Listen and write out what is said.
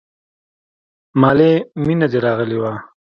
مالې مينه دې راغلې وه.